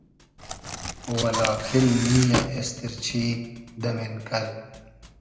و لاکین نییۂ اېستیرچی دۂ مېنکئل